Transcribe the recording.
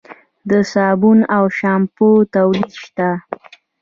د صابون او شامپو تولید شته؟